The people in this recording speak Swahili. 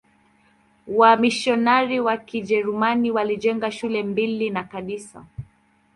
Wamisionari wa Kijerumani walijenga shule mbili na kanisa.